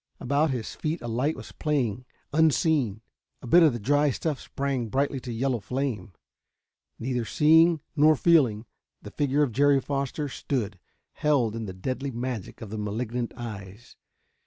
About his feet a light was playing, unseen. A bit of the dry stuff sprang brightly to yellow flame. Neither seeing nor feeling, the figure of Jerry Foster stood, held in the deadly magic of the malignant eyes.